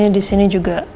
ini disini juga